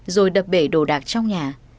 rồi đập bể đồ đạc trong nhà